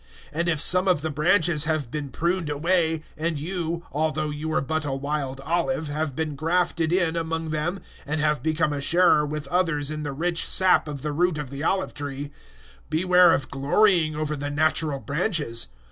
011:017 And if some of the branches have been pruned away, and you, although you were but a wild olive, have been grafted in among them and have become a sharer with others in the rich sap of the root of the olive tree, 011:018 beware of glorying over the natural branches.